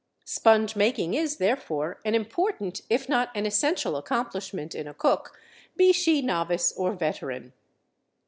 Sponge making is, therefore, an important if not an essential accomplishment in a cook, be she novice or veteran.